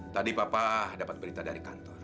tadi papa dapat berita dari kantor